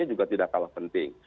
juga tidak kalah penting